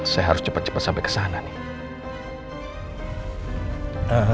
saya harus cepat cepat sampai ke sana nih